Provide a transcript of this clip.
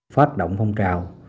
phát động phong trào